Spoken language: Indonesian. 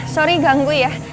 sorry ganggu ya